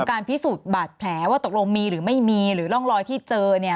การพิสูจน์บาดแผลว่าตกลงมีหรือไม่มีหรือร่องรอยที่เจอเนี่ย